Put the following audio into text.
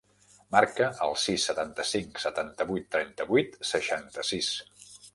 Marca el sis, setanta-cinc, setanta-vuit, trenta-vuit, seixanta-sis.